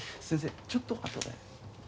先生ちょっと後で。